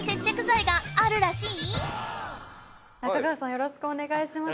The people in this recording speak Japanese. よろしくお願いします。